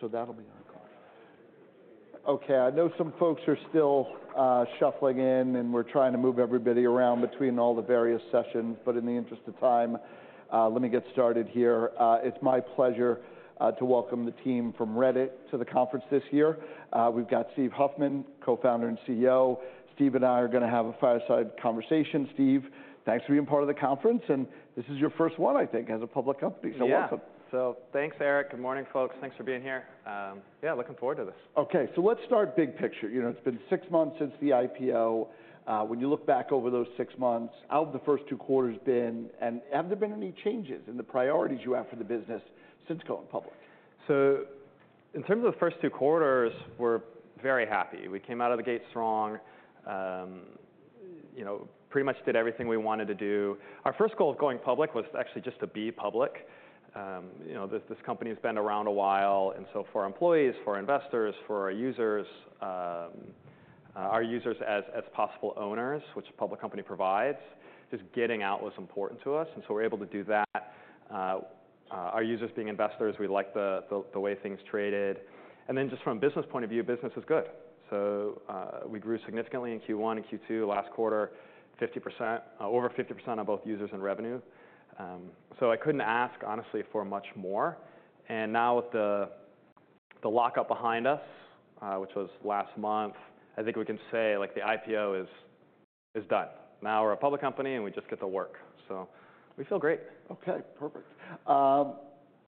So that'll be on call. Okay, I know some folks are still shuffling in, and we're trying to move everybody around between all the various sessions, but in the interest of time, let me get started here. It's my pleasure to welcome the team from Reddit to the conference this year. We've got Steve Huffman, Co-founder and CEO. Steve and I are gonna have a fireside conversation. Steve, thanks for being part of the conference, and this is your first one, I think, as a public company, so welcome. Yeah. So thanks, Eric. Good morning, folks. Thanks for being here. Yeah, looking forward to this. Okay, so let's start big picture. You know, it's been six months since the IPO. When you look back over those six months, how have the first two quarters been, and have there been any changes in the priorities you have for the business since going public? So in terms of the first two quarters, we're very happy. We came out of the gate strong. You know, pretty much did everything we wanted to do. Our first goal of going public was actually just to be public. You know, this company has been around a while, and so for our employees, for our investors, for our users, our users as possible owners, which a public company provides, just getting out was important to us, and so we're able to do that. Our users being investors, we like the way things traded, and then just from a business point of view, business is good, so we grew significantly in Q1 and Q2, last quarter, over 50% of both users and revenue, so I couldn't ask, honestly, for much more. And now with the lockup behind us, which was last month, I think we can say, like, the IPO is done. Now we're a public company, and we just get to work, so we feel great. Okay, perfect.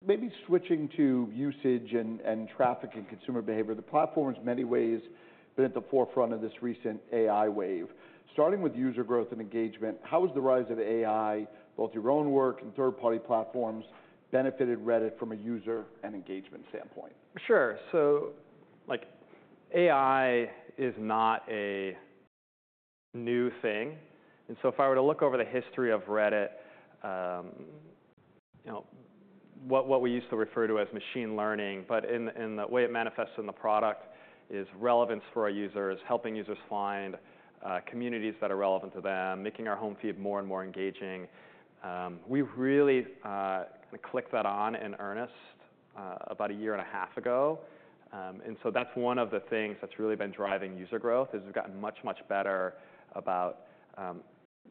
Maybe switching to usage and traffic and consumer behavior, the platform in many ways been at the forefront of this recent AI wave. Starting with user growth and engagement, how has the rise of AI, both your own work and third-party platforms, benefited Reddit from a user and engagement standpoint? Sure. So, like, AI is not a new thing, and so if I were to look over the history of Reddit, you know, what we used to refer to as machine learning, but in the way it manifests in the product, is relevance for our users, helping users find communities that are relevant to them, making our home feed more and more engaging. We've really clicked that on in earnest about a year and a half ago. And so that's one of the things that's really been driving user growth, is we've gotten much, much better about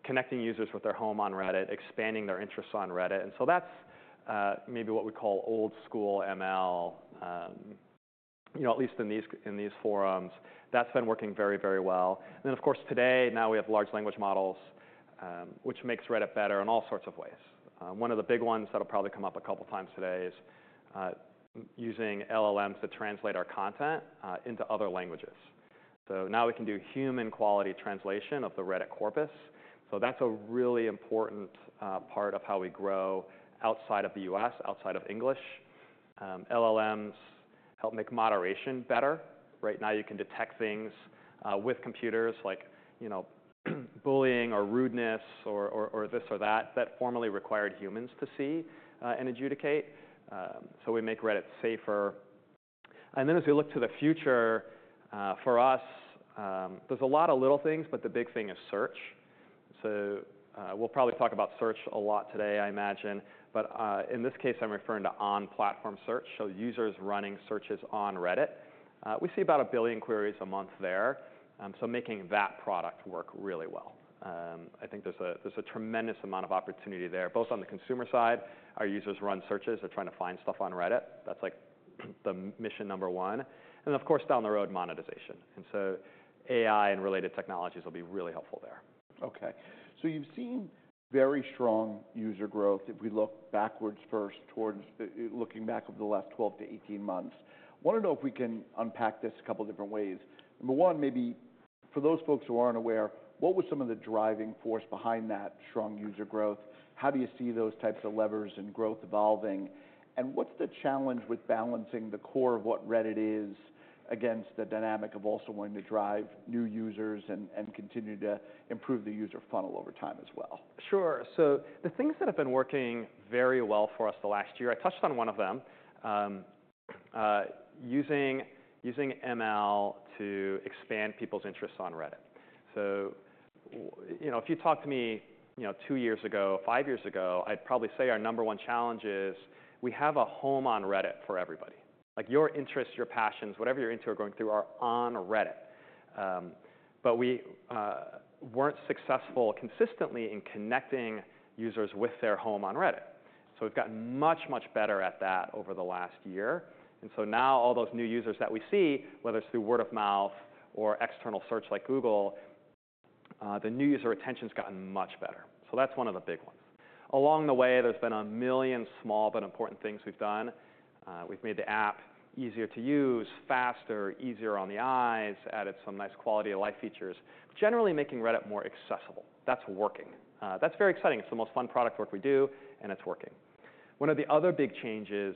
connecting users with their home on Reddit, expanding their interests on Reddit. And so that's maybe what we call old school ML. You know, at least in these forums, that's been working very, very well. Of course, today, now we have large language models, which makes Reddit better in all sorts of ways. One of the big ones that'll probably come up a couple times today is using LLMs to translate our content into other languages. So now we can do human quality translation of the Reddit corpus, so that's a really important part of how we grow outside of the U.S., outside of English. LLMs help make moderation better. Right now, you can detect things with computers, like, you know, bullying or rudeness or this or that, that formerly required humans to see and adjudicate, so we make Reddit safer. As we look to the future, for us, there's a lot of little things, but the big thing is search. So, we'll probably talk about search a lot today, I imagine, but, in this case, I'm referring to on-platform search, so users running searches on Reddit. We see about a billion queries a month there, so making that product work really well. I think there's a tremendous amount of opportunity there, both on the consumer side, our users run searches, they're trying to find stuff on Reddit. That's like the mission number one, and of course, down the road, monetization, and so AI and related technologies will be really helpful there. Okay, so you've seen very strong user growth. If we look backwards first, looking back over the last twelve to eighteen months, wanna know if we can unpack this a couple different ways. Number one, maybe for those folks who aren't aware, what were some of the driving force behind that strong user growth? How do you see those types of levers and growth evolving, and what's the challenge with balancing the core of what Reddit is against the dynamic of also wanting to drive new users and continue to improve the user funnel over time as well? Sure. So the things that have been working very well for us the last year, I touched on one of them, using ML to expand people's interests on Reddit. So, you know, if you talked to me, you know, two years ago, five years ago, I'd probably say our number one challenge is, we have a home on Reddit for everybody. Like, your interests, your passions, whatever you're into or going through, are on Reddit. But we weren't successful consistently in connecting users with their home on Reddit, so we've gotten much, much better at that over the last year, and so now all those new users that we see, whether it's through word of mouth or external search like Google, the new user retention's gotten much better. So that's one of the big ones. Along the way, there's been a million small but important things we've done. We've made the app easier to use, faster, easier on the eyes, added some nice quality-of-life features, generally making Reddit more accessible. That's working. That's very exciting. It's the most fun product work we do, and it's working. One of the other big changes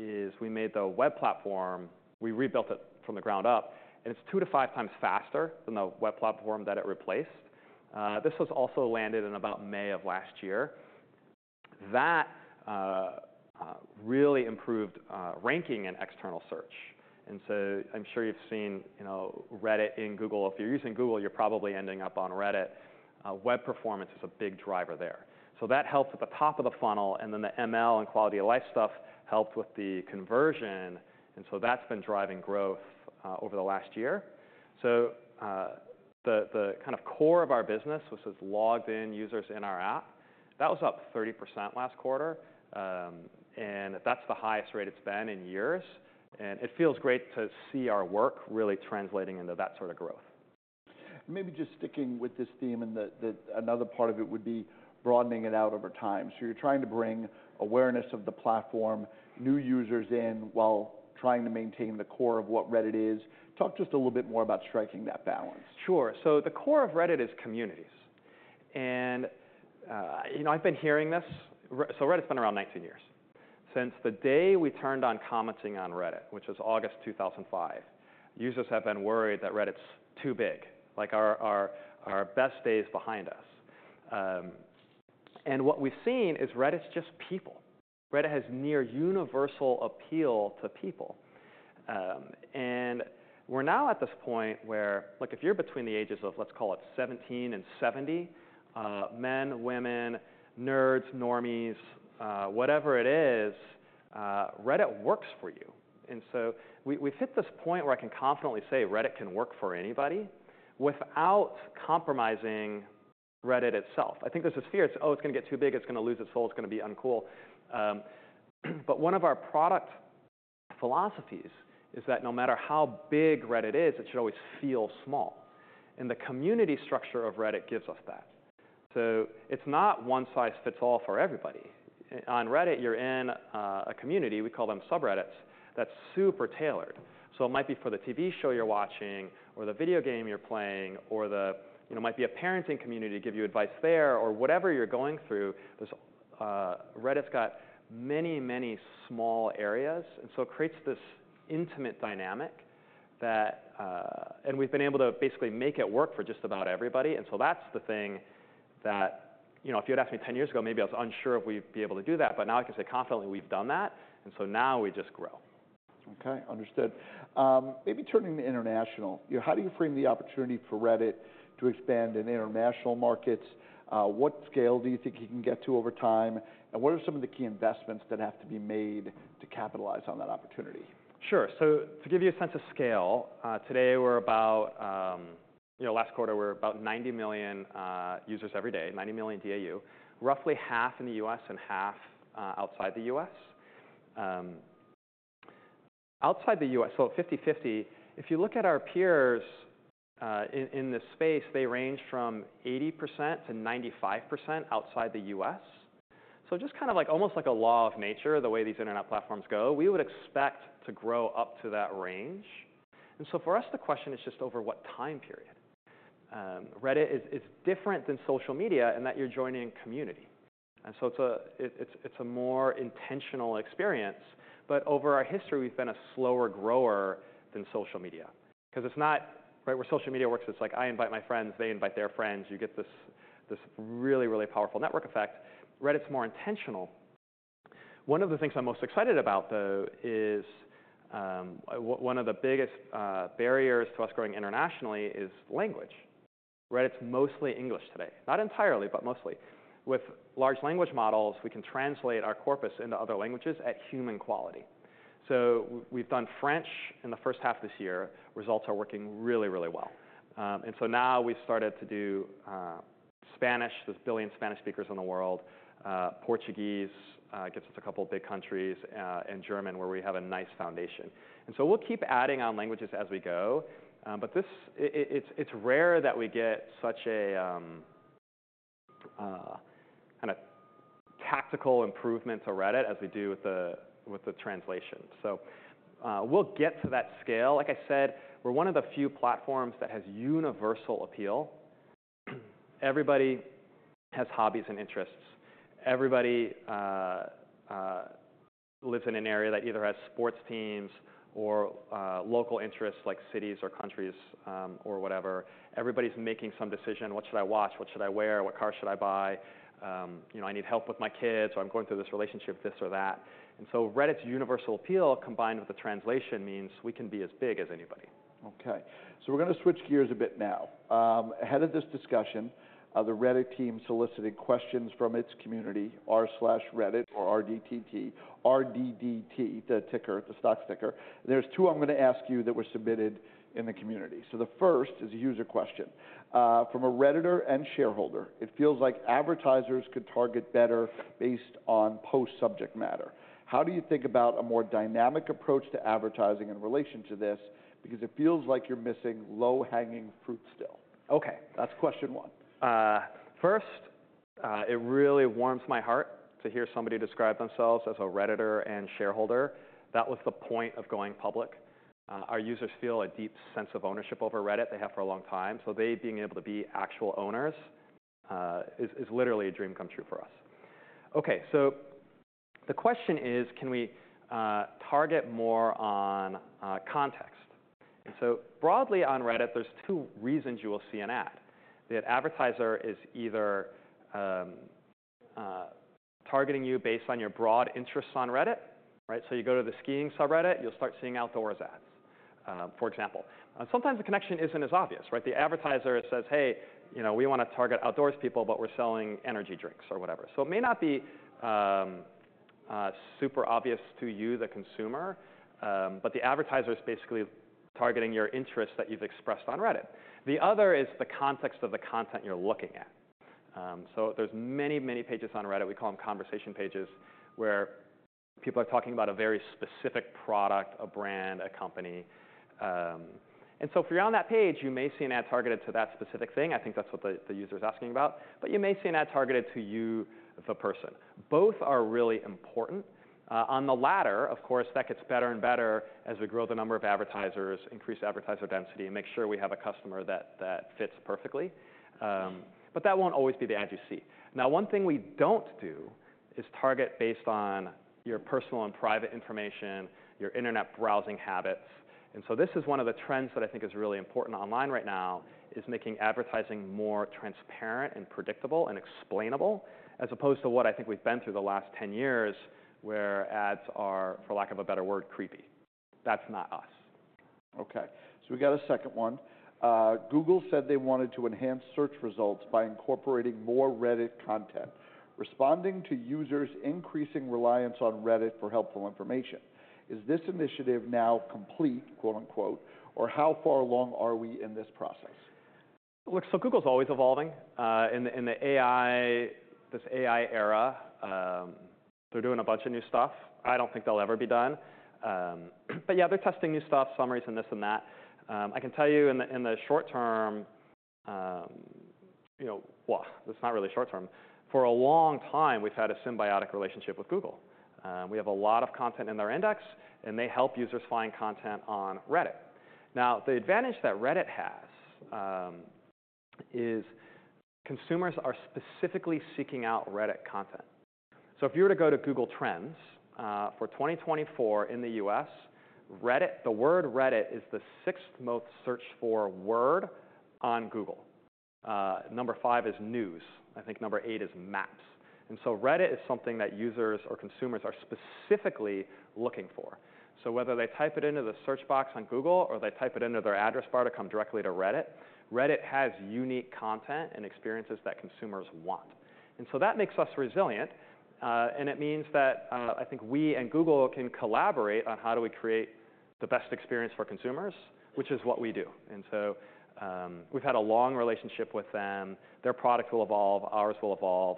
is we made the web platform. We rebuilt it from the ground up, and it's two to five times faster than the web platform that it replaced. This was also landed in about May of last year. That really improved ranking in external search. And so I'm sure you've seen, you know, Reddit in Google. If you're using Google, you're probably ending up on Reddit. Web performance is a big driver there. So that helps at the top of the funnel, and then the ML and quality of life stuff helps with the conversion, and so that's been driving growth over the last year. The kind of core of our business, which is logged-in users in our app, that was up 30% last quarter, and that's the highest rate it's been in years, and it feels great to see our work really translating into that sort of growth. Maybe just sticking with this theme and another part of it would be broadening it out over time. So you're trying to bring awareness of the platform, new users in, while trying to maintain the core of what Reddit is. Talk just a little bit more about striking that balance. Sure. So the core of Reddit is communities, and you know, I've been hearing this, so Reddit's been around 19 years. Since the day we turned on commenting on Reddit, which was August two thousand and five, users have been worried that Reddit's too big, like our best days behind us, and what we've seen is Reddit's just people. Reddit has near universal appeal to people, and we're now at this point where, like, if you're between the ages of, let's call it 17 and 70, men, women, nerds, normies, whatever it is, Reddit works for you, and so we, we've hit this point where I can confidently say Reddit can work for anybody without compromising Reddit itself. I think there's this fear it's, "Oh, it's gonna get too big, it's gonna lose its soul, it's gonna be uncool," but one of our product philosophies is that no matter how big Reddit is, it should always feel small, and the community structure of Reddit gives us that, so it's not one size fits all for everybody. On Reddit, you're in a community, we call them subreddits, that's super tailored, so it might be for the TV show you're watching or the video game you're playing or... You know, it might be a parenting community to give you advice there or whatever you're going through. There's Reddit's got many, many small areas, and so it creates this intimate dynamic that and we've been able to basically make it work for just about everybody, and so that's the thing that, you know, if you had asked me ten years ago, maybe I was unsure if we'd be able to do that. But now I can say confidently we've done that, and so now we just grow. Okay, understood. Maybe turning to international, you know, how do you frame the opportunity for Reddit to expand in international markets? What scale do you think you can get to over time, and what are some of the key investments that have to be made to capitalize on that opportunity? Sure. So to give you a sense of scale, today we're about, you know, last quarter we were about 90 million users every day, 90 million DAU, roughly half in the U.S. and half outside the U.S.. Outside the U.S., so 50/50, if you look at our peers in this space, they range from 80%-95% outside the U.S. So just kind of like, almost like a law of nature, the way these internet platforms go, we would expect to grow up to that range. And so for us, the question is just over what time period. Reddit is different than social media in that you're joining community, and so it's a more intentional experience. But over our history, we've been a slower grower than social media because it's not... Right, where social media works, it's like, I invite my friends, they invite their friends, you get this, this really, really powerful network effect. Reddit's more intentional. One of the things I'm most excited about, though, is, one of the biggest barriers to us growing internationally is language. Reddit's mostly English today. Not entirely, but mostly. With large language models, we can translate our corpus into other languages at human quality. So we've done French in the first half of this year. Results are working really, really well. And so now we've started to do Spanish, there's a billion Spanish speakers in the world, Portuguese, gets us a couple of big countries, and German, where we have a nice foundation. And so we'll keep adding on languages as we go. But this, it's rare that we get such a kind of tactical improvement to Reddit as we do with the translation. So, we'll get to that scale. Like I said, we're one of the few platforms that has universal appeal. Everybody has hobbies and interests. Everybody lives in an area that either has sports teams or local interests, like cities or countries, or whatever. Everybody's making some decision: What should I watch? What should I wear? What car should I buy? You know, I need help with my kids, or I'm going through this relationship, this or that. And so Reddit's universal appeal, combined with the translation, means we can be as big as anybody. Okay, so we're gonna switch gears a bit now. Ahead of this discussion, the Reddit team solicited questions from its community, r/reddit, or r/RDDT, the ticker, the stock ticker. There's two I'm gonna ask you that were submitted in the community. So the first is a user question: "From a Redditor and shareholder, it feels like advertisers could target better based on post subject matter. How do you think about a more dynamic approach to advertising in relation to this? Because it feels like you're missing low-hanging fruit still." Okay, that's question one. First, it really warms my heart to hear somebody describe themselves as a Redditor and shareholder. That was the point of going public. Our users feel a deep sense of ownership over Reddit. They have for a long time, so they being able to be actual owners is literally a dream come true for us. Okay, so the question is: Can we target more on content. So broadly on Reddit, there's two reasons you will see an ad: the advertiser is either targeting you based on your broad interests on Reddit, right? So you go to the skiing subreddit, you'll start seeing outdoors ads, for example. Sometimes the connection isn't as obvious, right? The advertiser says, "Hey, you know, we wanna target outdoors people, but we're selling energy drinks," or whatever. So it may not be super obvious to you, the consumer, but the advertiser is basically targeting your interests that you've expressed on Reddit. The other is the context of the content you're looking at, so there's many, many pages on Reddit, we call them conversation pages, where people are talking about a very specific product, a brand, a company, and so if you're on that page, you may see an ad targeted to that specific thing. I think that's what the user's asking about, but you may see an ad targeted to you, the person. Both are really important. On the latter, of course, that gets better and better as we grow the number of advertisers, increase advertiser density, and make sure we have a customer that fits perfectly, but that won't always be the ad you see. Now, one thing we don't do is target based on your personal and private information, your internet browsing habits. And so this is one of the trends that I think is really important online right now, is making advertising more transparent, and predictable, and explainable, as opposed to what I think we've been through the last ten years, where ads are, for lack of a better word, creepy. That's not us. Okay, so we got a second one. "Google said they wanted to enhance search results by incorporating more Reddit content, responding to users' increasing reliance on Reddit for helpful information. Is this initiative now complete, quote, unquote, or how far along are we in this process? Look, so Google's always evolving in the AI, this AI era. They're doing a bunch of new stuff. I don't think they'll ever be done. But yeah, they're testing new stuff, summaries and this and that. I can tell you in the short term, you know. Well, it's not really short term. For a long time, we've had a symbiotic relationship with Google. We have a lot of content in their index, and they help users find content on Reddit. Now, the advantage that Reddit has is consumers are specifically seeking out Reddit content. So if you were to go to Google Trends for twenty twenty-four in the U.S., Reddit, the word Reddit, is the sixth most searched for word on Google. Number five is news. I think number eight is maps. And so Reddit is something that users or consumers are specifically looking for. So whether they type it into the search box on Google, or they type it into their address bar to come directly to Reddit, Reddit has unique content and experiences that consumers want. And so that makes us resilient, and it means that, I think we and Google can collaborate on how do we create the best experience for consumers, which is what we do. And so, we've had a long relationship with them. Their product will evolve, ours will evolve.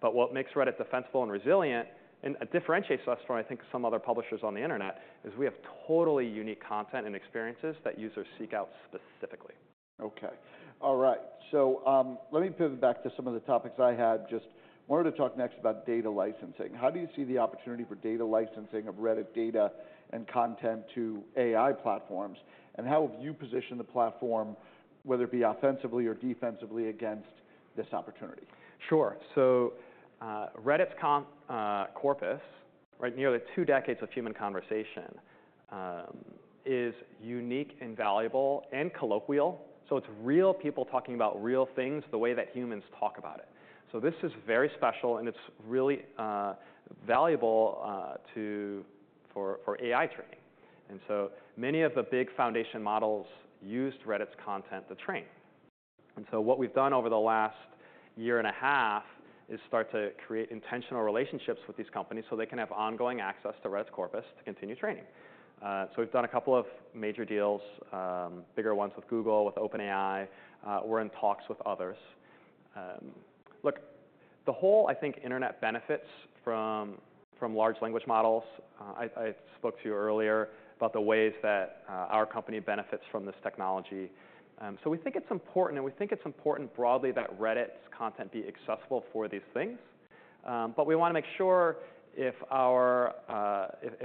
But what makes Reddit defensible and resilient, and differentiates us from, I think, some other publishers on the internet, is we have totally unique content and experiences that users seek out specifically. Okay. All right, so let me pivot back to some of the topics I had. Just wanted to talk next about data licensing. How do you see the opportunity for data licensing of Reddit data and content to AI platforms? And how have you positioned the platform, whether it be offensively or defensively, against this opportunity? Sure. So, Reddit's corpus, right? Nearly two decades of human conversation is unique, and valuable, and colloquial. So it's real people talking about real things the way that humans talk about it. So this is very special, and it's really valuable for AI training. And so many of the big foundation models used Reddit's content to train. And so what we've done over the last year and a half is start to create intentional relationships with these companies so they can have ongoing access to Reddit's corpus to continue training. So we've done a couple of major deals, bigger ones with Google, with OpenAI. We're in talks with others. Look, the whole, I think, internet benefits from large language models. I spoke to you earlier about the ways that our company benefits from this technology, so we think it's important, and we think it's important broadly that Reddit's content be accessible for these things, but we wanna make sure if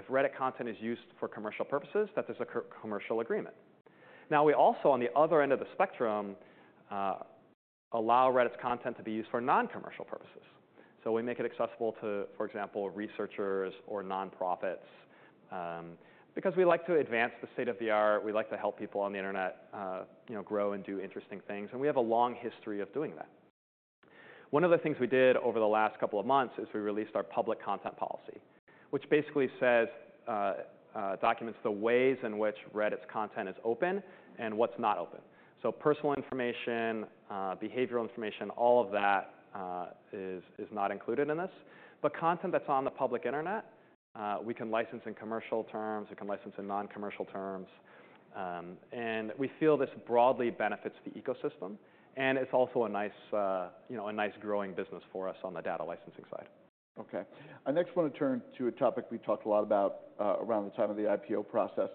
Reddit content is used for commercial purposes, that there's a commercial agreement. Now, we also, on the other end of the spectrum, allow Reddit's content to be used for non-commercial purposes, so we make it accessible to, for example, researchers or nonprofits, because we like to advance the state of the art, we like to help people on the internet, you know, grow and do interesting things, and we have a long history of doing that. One of the things we did over the last couple of months is we released our public content policy, which basically says, documents the ways in which Reddit's content is open and what's not open, so personal information, behavioral information, all of that, is not included in this, but content that's on the public internet, we can license in commercial terms, we can license in non-commercial terms, and we feel this broadly benefits the ecosystem, and it's also a nice, you know, growing business for us on the data licensing side. Okay. I next wanna turn to a topic we talked a lot about around the time of the IPO process.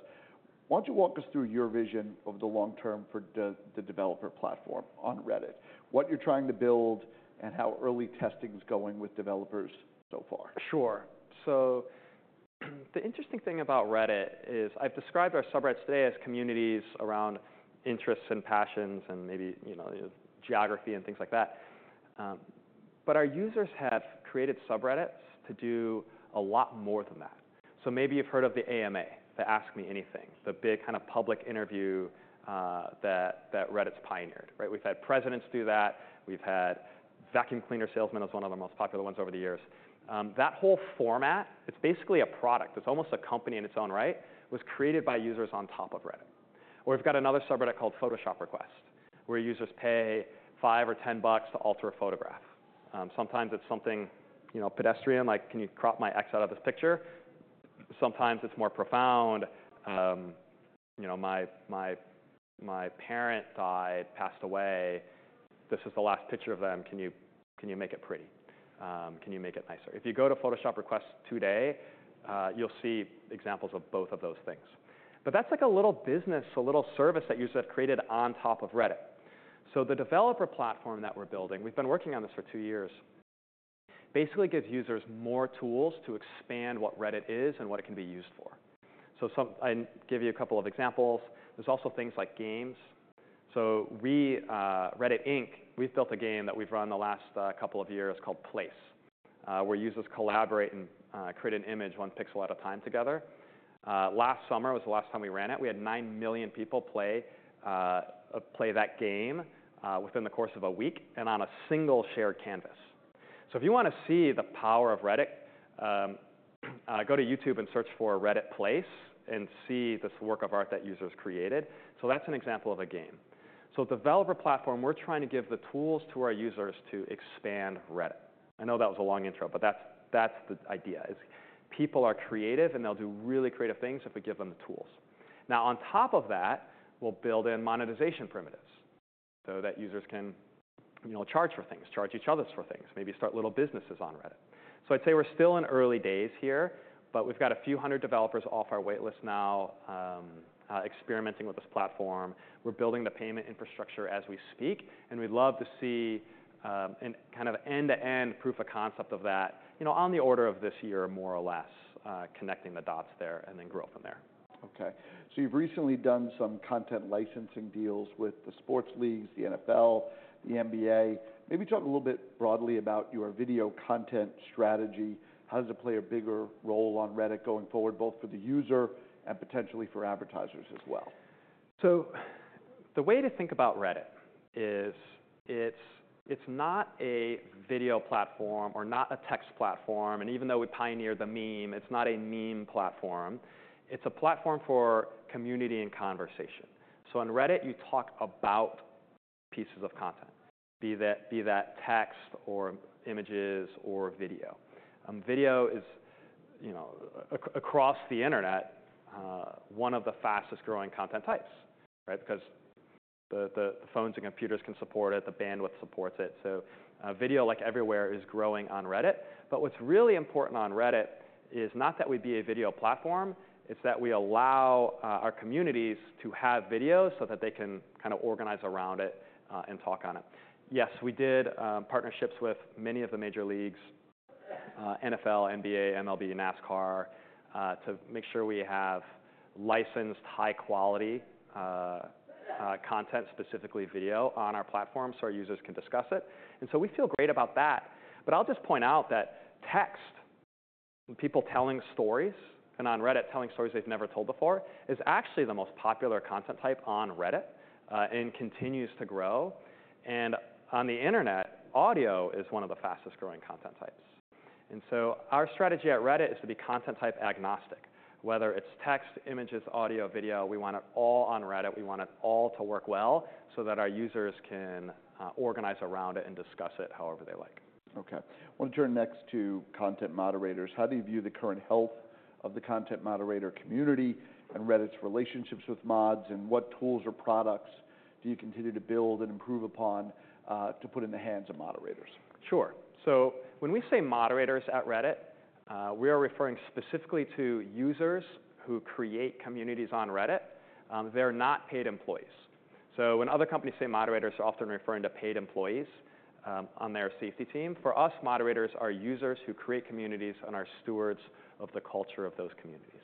Why don't you walk us through your vision of the long term for the developer platform on Reddit, what you're trying to build, and how early testing is going with developers so far? Sure. So the interesting thing about Reddit is I've described our subreddits today as communities around interests and passions, and maybe, you know, geography and things like that. But our users have created subreddits to do a lot more than that. So maybe you've heard of the AMA, the Ask Me Anything, the big kind of public interview that Reddit's pioneered, right? We've had presidents do that. We've had vacuum cleaner salesmen as one of the most popular ones over the years. That whole format, it's basically a product, it's almost a company in its own right, was created by users on top of Reddit. Or we've got another subreddit called Photoshop Requests, where users pay $5 or $10 bucks to alter a photograph. Sometimes it's something, you know, pedestrian, like, "Can you crop my ex out of this picture?" Sometimes it's more profound, you know, "My parent died, passed away. This is the last picture of them. Can you make it pretty? Can you make it nicer?" If you go to Photoshop Requests today, you'll see examples of both of those things. But that's like a little business, a little service that users have created on top of Reddit. So the developer platform that we're building, we've been working on this for two years, basically gives users more tools to expand what Reddit is and what it can be used for. So I'll give you a couple of examples. There's also things like games. So we, Reddit, Inc., we've built a game that we've run the last couple of years called Place, where users collaborate and create an image one pixel at a time together. Last summer was the last time we ran it. We had nine million people play that game within the course of a week and on a single shared canvas. So if you wanna see the power of Reddit, go to YouTube and search for Reddit Place and see this work of art that users created. So that's an example of a game. So developer platform, we're trying to give the tools to our users to expand Reddit. I know that was a long intro, but that's the idea, is people are creative, and they'll do really creative things if we give them the tools. Now, on top of that, we'll build in monetization primitives so that users can, you know, charge for things, charge each other for things, maybe start little businesses on Reddit. So I'd say we're still in early days here, but we've got a few hundred developers off our waitlist now, experimenting with this platform. We're building the payment infrastructure as we speak, and we'd love to see, and kind of end-to-end proof of concept of that, you know, on the order of this year, more or less, connecting the dots there and then grow from there. Okay, so you've recently done some content licensing deals with the sports leagues, the NFL, the NBA. Maybe talk a little bit broadly about your video content strategy. How does it play a bigger role on Reddit going forward, both for the user and potentially for advertisers as well? So the way to think about Reddit is, it's not a video platform or not a text platform, and even though we pioneered the meme, it's not a meme platform. It's a platform for community and conversation. So on Reddit, you talk about pieces of content, be that text or images or video. Video is, you know, across the Internet one of the fastest growing content types, right? Because the phones and computers can support it, the bandwidth supports it. So video, like everywhere, is growing on Reddit. But what's really important on Reddit is not that we be a video platform, it's that we allow our communities to have video so that they can kinda organize around it and talk on it. Yes, we did partnerships with many of the major leagues, NFL, NBA, MLB, NASCAR, to make sure we have licensed, high-quality content, specifically video, on our platform so our users can discuss it, and so we feel great about that, but I'll just point out that text, people telling stories, and on Reddit, telling stories they've never told before, is actually the most popular content type on Reddit, and continues to grow, and on the Internet, audio is one of the fastest growing content types, and so our strategy at Reddit is to be content type agnostic. Whether it's text, images, audio, video, we want it all on Reddit. We want it all to work well so that our users can organize around it and discuss it however they like. Okay. I want to turn next to content moderators. How do you view the current health of the content moderator community and Reddit's relationships with mods, and what tools or products do you continue to build and improve upon to put in the hands of moderators? Sure. So when we say moderators at Reddit, we are referring specifically to users who create communities on Reddit. They're not paid employees. When other companies say moderators, they're often referring to paid employees on their safety team. For us, moderators are users who create communities and are stewards of the culture of those communities.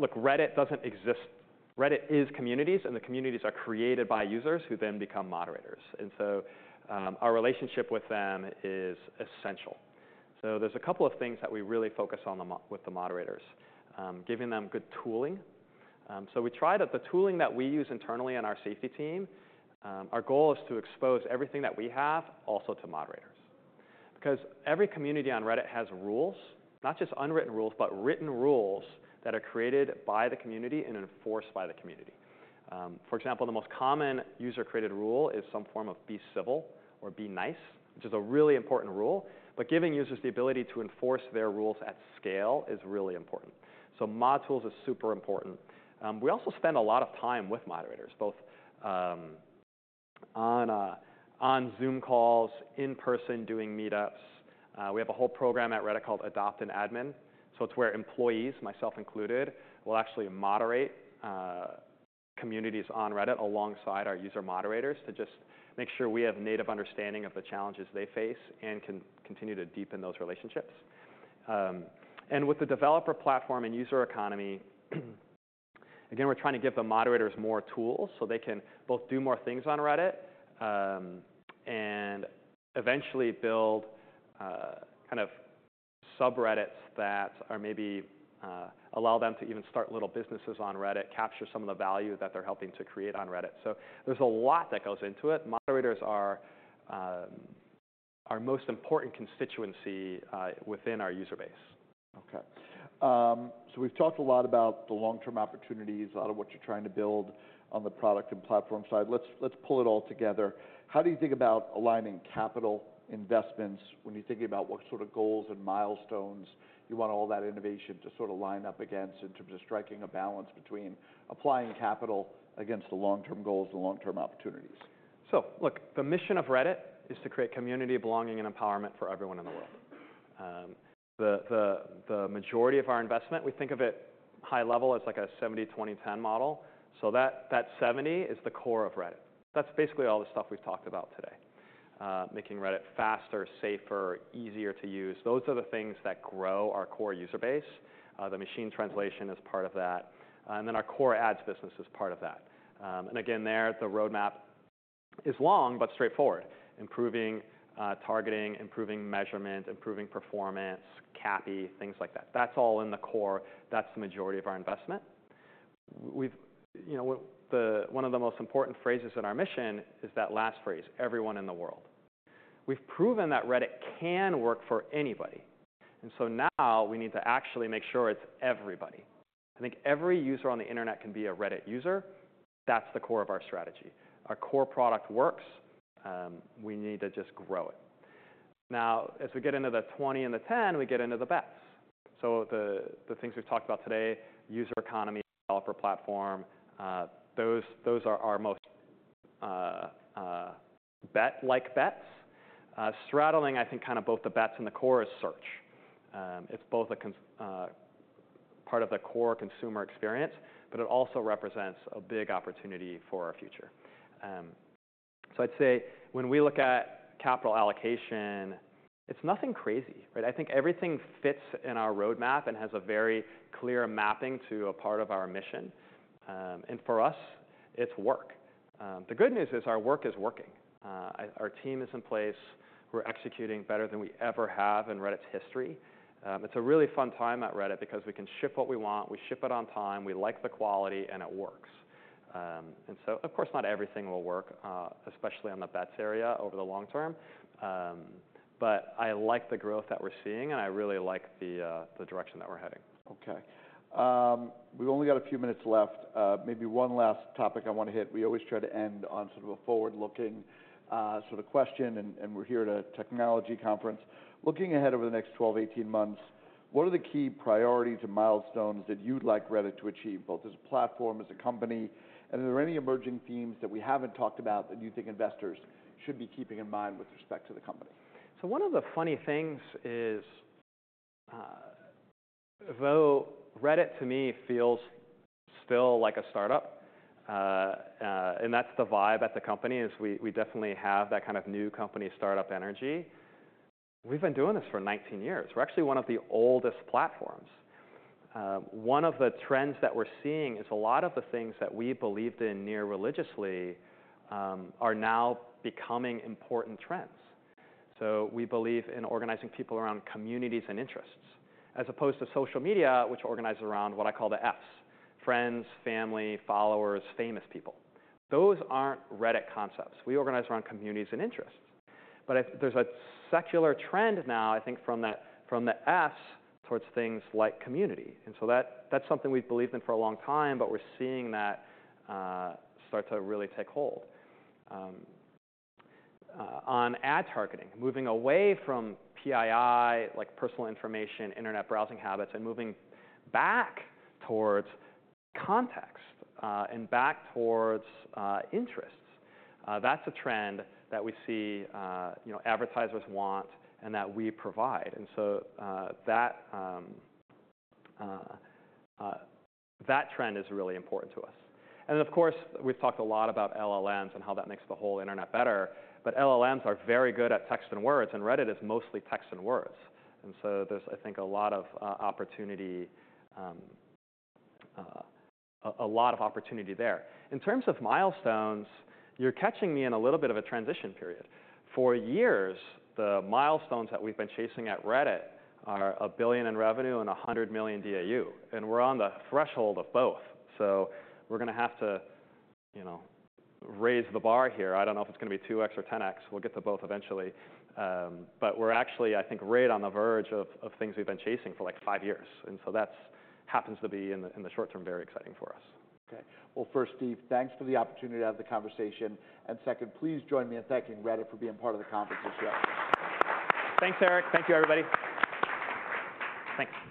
Look, Reddit doesn't exist. Reddit is communities, and the communities are created by users who then become moderators. Our relationship with them is essential, so there's a couple of things that we really focus on with the moderators: giving them good tooling. We try to have the tooling that we use internally on our safety team. Our goal is to expose everything that we have also to moderators. Because every community on Reddit has rules, not just unwritten rules, but written rules that are created by the community and enforced by the community. For example, the most common user-created rule is some form of "be civil" or "be nice," which is a really important rule, but giving users the ability to enforce their rules at scale is really important, so mod tools are super important. We also spend a lot of time with moderators, both on Zoom calls, in person doing meetups. We have a whole program at Reddit called Adopt an Admin, so it's where employees, myself included, will actually moderate, communities on Reddit alongside our user moderators to just make sure we have native understanding of the challenges they face and can continue to deepen those relationships, and with the developer platform and user economy,... Again, we're trying to give the moderators more tools so they can both do more things on Reddit, and eventually build kind of subreddits that are maybe allow them to even start little businesses on Reddit, capture some of the value that they're helping to create on Reddit. So there's a lot that goes into it. Moderators are our most important constituency within our user base. Okay. So we've talked a lot about the long-term opportunities, a lot of what you're trying to build on the product and platform side. Let's pull it all together. How do you think about aligning capital investments when you're thinking about what sort of goals and milestones you want all that innovation to sort of line up against, in terms of striking a balance between applying capital against the long-term goals and long-term opportunities? So look, the mission of Reddit is to create community, belonging, and empowerment for everyone in the world. The majority of our investment, we think of it high level as like a seventy, twenty, ten model. So that seventy is the core of Reddit. That's basically all the stuff we've talked about today. Making Reddit faster, safer, easier to use. Those are the things that grow our core user base. The machine translation is part of that, and then our core ads business is part of that. And again, the roadmap is long, but straightforward. Improving targeting, improving measurement, improving performance, CAPI, things like that. That's all in the core. That's the majority of our investment. You know, the one of the most important phrases in our mission is that last phrase, everyone in the world. We've proven that Reddit can work for anybody, and so now we need to actually make sure it's everybody. I think every user on the internet can be a Reddit user. That's the core of our strategy. Our core product works. We need to just grow it. Now, as we get into the twenty and the ten, we get into the bets. So the things we've talked about today, user economy, developer platform, those are our most bet-like bets. Straddling, I think, kind of both the bets and the core is search. It's both a part of the core consumer experience, but it also represents a big opportunity for our future. So I'd say when we look at capital allocation, it's nothing crazy, right? I think everything fits in our roadmap and has a very clear mapping to a part of our mission. And for us, it's work. The good news is our work is working. Our team is in place. We're executing better than we ever have in Reddit's history. It's a really fun time at Reddit because we can ship what we want, we ship it on time, we like the quality, and it works. And so, of course, not everything will work, especially on the bets area over the long term. But I like the growth that we're seeing, and I really like the, the direction that we're heading. Okay. We've only got a few minutes left. Maybe one last topic I want to hit. We always try to end on sort of a forward-looking, sort of question, and we're here at a technology conference. Looking ahead over the next twelve, eighteen months, what are the key priorities and milestones that you'd like Reddit to achieve, both as a platform, as a company? And are there any emerging themes that we haven't talked about that you think investors should be keeping in mind with respect to the company? So one of the funny things is, though Reddit, to me, feels still like a startup, and that's the vibe at the company, is we, we definitely have that kind of new company, startup energy. We've been doing this for nineteen years. We're actually one of the oldest platforms. One of the trends that we're seeing is a lot of the things that we believed in near religiously, are now becoming important trends. So we believe in organizing people around communities and interests, as opposed to social media, which organizes around what I call the Fs: friends, family, followers, famous people. Those aren't Reddit concepts. We organize around communities and interests. But there's a secular trend now, I think from the Fs towards things like community, and so that's something we've believed in for a long time, but we're seeing that start to really take hold. On ad targeting, moving away from PII, like personal information, internet browsing habits, and moving back towards context and back towards interests. That's a trend that we see, you know, advertisers want and that we provide, and so that trend is really important to us. And of course, we've talked a lot about LLMs and how that makes the whole internet better, but LLMs are very good at text and words, and Reddit is mostly text and words, and so there's, I think, a lot of opportunity there. In terms of milestones, you're catching me in a little bit of a transition period. For years, the milestones that we've been chasing at Reddit are $1 billion in revenue and 100 million DAU, and we're on the threshold of both. So we're gonna have to, you know, raise the bar here. I don't know if it's gonna be 2x or 10x. We'll get to both eventually. But we're actually, I think, right on the verge of things we've been chasing for, like, 5 years, and so that happens to be in the, in the short term, very exciting for us. Okay. Well, first, Steve, thanks for the opportunity to have the conversation, and second, please join me in thanking Reddit for being part of the conference this year. Thanks, Eric. Thank you, everybody. Thanks.